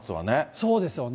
そうですよね。